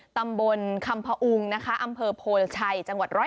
ตำบลคัมภอุงอำเภอโพลชัยจังหวัด๑๐๑